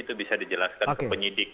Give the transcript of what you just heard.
itu bisa dijelaskan ke penyidik